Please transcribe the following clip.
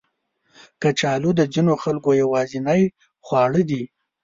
کچالو د ځینو خلکو یوازینی خواړه دي